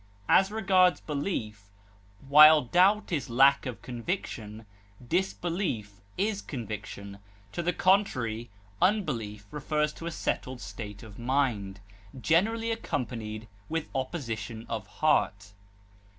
As regards belief, while doubt is lack of conviction, disbelief is conviction, to the contrary; unbelief refers to a settled state of mind, generally accompanied with opposition of heart.